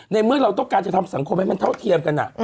เมื่อเราต้องการจะทำสังคมให้มันเท่าเทียมกัน